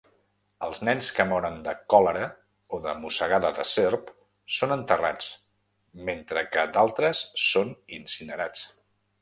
Els nens que moren de còlera o de mossegada de serp són enterrats, mentre que d'altres són incinerats.